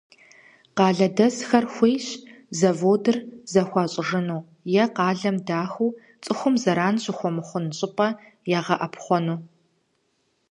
Къалэдэсхэр хуейщ заводыр зэхуащӀыжыну е къалэм дахыу цӀыхум зэран щыхуэмыхъун щӀыпӀэ ягъэӀэпхъуэну.